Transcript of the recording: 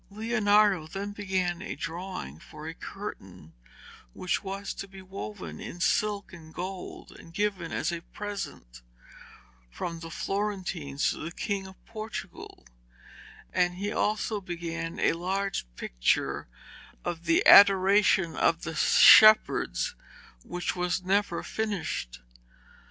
Leonardo then began a drawing for a curtain which was to be woven in silk and gold and given as a present from the Florentines to the King of Portugal, and he also began a large picture of the Adoration of the Shepherds which was never finished.